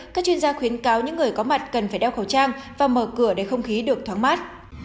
các chuyên gia khuyến cáo những người có mặt cần phải đeo khẩu trang và mở cửa để không khí được thoáng mát